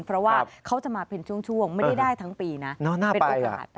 เพราะว่าเขาจะมาเป็นช่วงไม่ได้ทั้งปีนะ